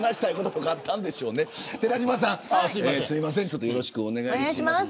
寺島さんよろしくお願いします。